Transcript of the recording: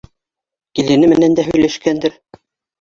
Килене менән дә һөйләшкәндер.